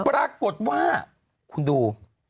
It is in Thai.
ปรากฏว่าคุณดู